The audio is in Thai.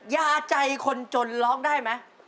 ยาใจคนจนร้องได้ไหม